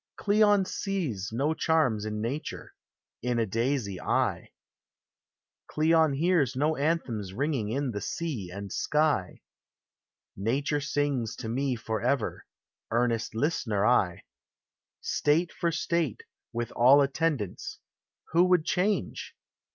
LABOR AXD BEST. 421 Cleon sees no charms in nature, in a daisy T ; Cleon hears no anthems ringing in the sea and sky ; Nature sings to me forever, earnest Listener \; State for state, with all attendants, who would change?